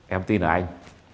em tin ở anh